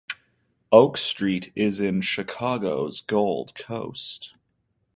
Oak Street is in Chicago's Gold Coast.